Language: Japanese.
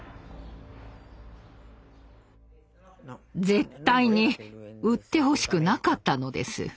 絶対に売ってほしくなかったのです。